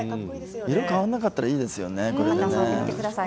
色が変わらなかったらいいですよね。